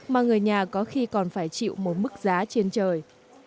mà còn phải chịu một mức giá trên trời